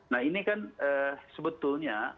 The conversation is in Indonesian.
nah ini kan sebetulnya